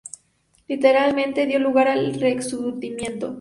Literariamente dio lugar al Rexurdimento.